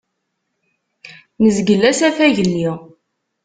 Nezgel asafag-nni.